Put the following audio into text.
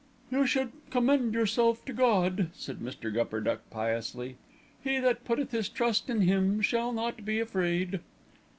"You should commend yourself to God," said Mr. Gupperduck piously. "He that putteth his trust in Him shall not be afraid."